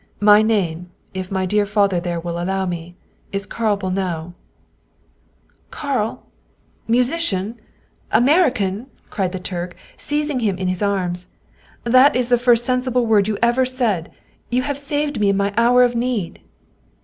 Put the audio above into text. " My name, if my dear father there will allow me, is Carl Bolnau." " Carl ! Musician ! American !" cried the Turk, seizing him in his arms. " That is the first sensible word you ever said. You have saved me in my hour of need."